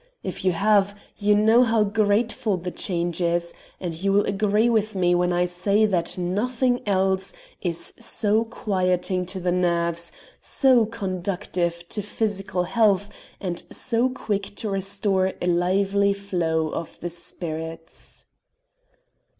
If you have, you know how grateful the change is, and you will agree with me when I say that nothing else is so quieting to the nerves, so conducive to physical health, and so quick to restore a lively flow of the spirits.